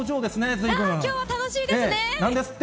きょうは楽しいですね。